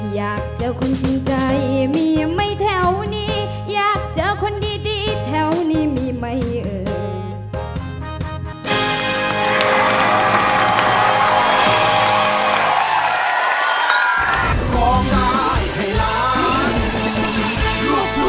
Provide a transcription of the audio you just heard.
อยากเจอคนจริงใจเมียไหมแถวนี้อยากเจอคนดีแถวนี้มีไหมเอ่ย